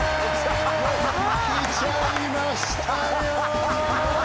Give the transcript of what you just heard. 来ちゃいましたよ！